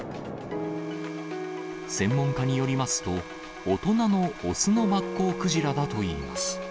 専門家によりますと、大人の雄のマッコウクジラだといいます。